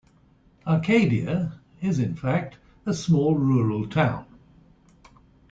Arcadia, is in fact a small rural town.